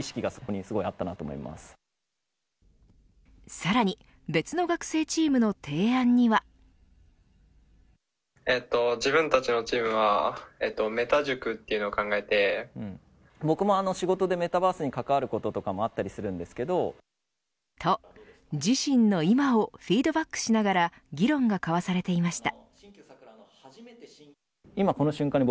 さらに別の学生チームの提案には。と、自身の今をフィードバックしながら議論が交わされていました。